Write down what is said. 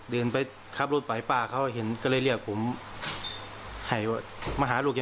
เดินไปขับรถไปป้าเขาเห็นก็เลยเรียกผมให้มาหาลูกจะ